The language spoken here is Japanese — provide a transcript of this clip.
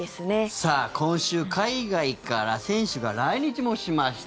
さあ、今週海外から選手が来日もしました。